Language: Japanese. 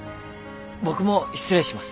僕も失礼します。